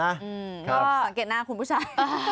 ก็สังเกตหน้าคุณผู้ชาย